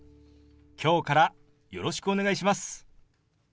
今日からよろしくお願いします。